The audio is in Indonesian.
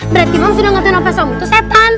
berarti mams sudah ngerti opa saum itu setan